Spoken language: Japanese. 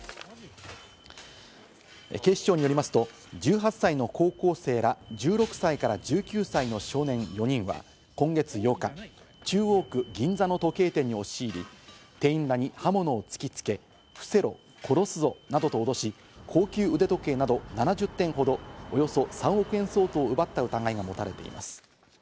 警視庁によりますと、１８歳の高校生ら、１６歳から１９歳の少年４人は今月８日、中央区銀座の時計店に押し入り、店員らに刃物を突きつけ、伏せろ殺すぞなどと脅し、高級腕時計など７０点ほど、およそ３億円相当を奪った疑いが持たれています。